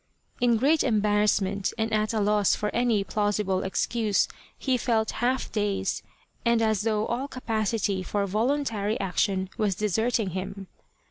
In great embarrass ment, and at a loss for any plausible excuse, he felt half dazed, and as though all capacity for voluntary action was deserting him.